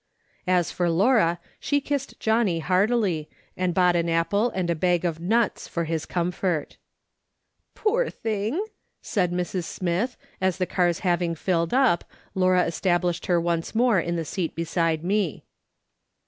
As for Laura, she kissed Johnny heartily, and bought an apple and a bag of nuts for his comfort. " Poor thing !" said Mrs. Smith, as the cars having filled up, Laura established her once more in the seat beside me.